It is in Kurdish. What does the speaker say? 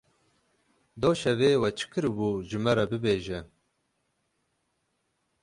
Doh şevê we çi kiribû ji me re bibêje.